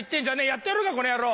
やってやろうかこの野郎！